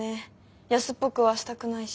安っぽくはしたくないし。